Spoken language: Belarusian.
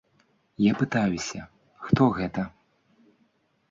Я пытаюся, хто гэта?